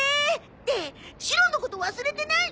ってシロのこと忘れてない？